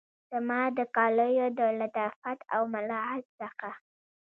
زما د کالیو د لطافت او ملاحت څخه